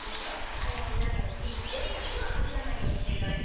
ライオンになった時に檻だけはかじらないようにしていただきたいんです。